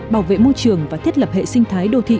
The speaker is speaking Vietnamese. bảo vệ môi trường và thiết lập hệ sinh thái đô thị